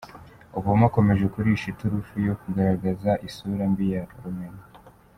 Obama akomeje kurisha iturufu yo kugaragaza isura mbi ya Romeni